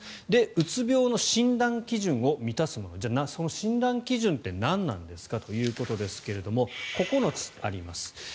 うつ病の診断基準を満たすものその診断基準って何なんですかというところですが９つあります。